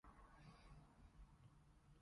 世紀暖男